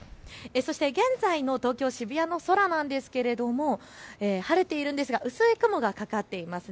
そして現在の東京渋谷の空なんですけども晴れているんですが薄い雲がかかっています。